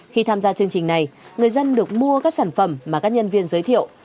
khi tham gia chương trình này người dân được mua các sản phẩm mà các nhân viên giới thiệu